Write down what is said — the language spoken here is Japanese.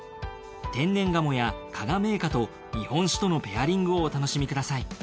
天然鴨や加賀銘菓と日本酒とのペアリングをお楽しみください。